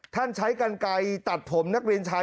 ใช้กันไกลตัดผมนักเรียนชาย